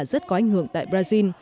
rất có ảnh hưởng tại brazil